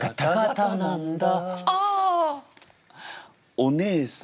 お姉さん。